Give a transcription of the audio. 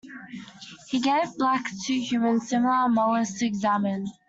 He gave Black two human-similar molars to examine.